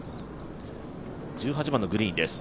１８番のグリーンです